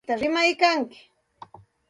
Tsaynawllapita rimaykanki.